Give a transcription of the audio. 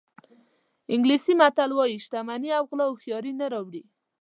انګلیسي متل وایي شتمني او غلا هوښیاري نه راوړي.